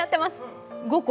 ５個？